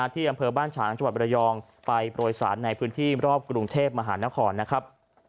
ที่อำเภอบ้านฉางจังหวัดบรยองไปโปรยสารในพื้นที่รอบกรุงเทพมหานครนะครับ